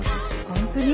本当に？